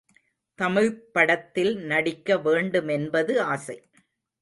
தமிழ்ப் படத்தில் நடிக்க வேண்டுமென்பது ஆசை.